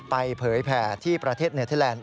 เผยแผ่ที่ประเทศเนเทอร์แลนด